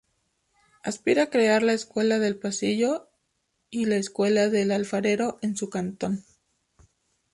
Aspira crear la Escuela del Pasillo y la Escuela del Alfarero en su cantón.